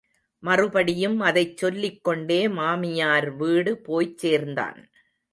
மறுபடியும் அதைச் சொல்லிக் கொண்டே மாமியார் வீடு போய்ச்சேர்ந்தான்.